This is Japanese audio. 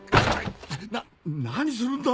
な何するんだ！